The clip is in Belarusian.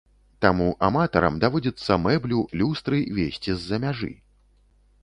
Таму аматарам даводзіцца мэблю, люстры везці з-за мяжы.